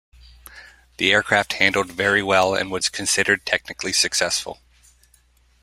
The aircraft handled very well and was considered technically successful.